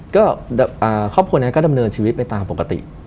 ก็ครอบครัวนี้ก็ดำเนินชีวิตไปตามปกติ